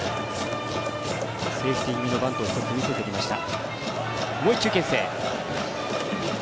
セーフティー気味のバントを見せてきました。